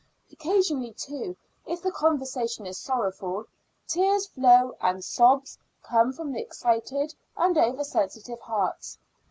Occasionally, too, if the conversation is sorrowful, tears flow and sobs come from the excited and over sensitive hearts.